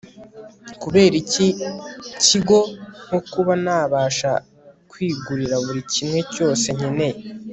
kubera iki kigo nko kuba nabasha kwigurira buri kimwe cyose nkeneye